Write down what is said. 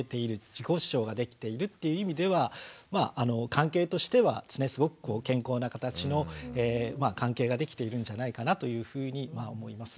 自己主張ができているっていう意味では関係としてはすごく健康な形の関係ができているんじゃないかなというふうに思います。